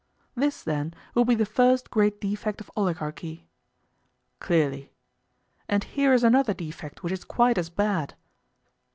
This, then, will be the first great defect of oligarchy? Clearly. And here is another defect which is quite as bad.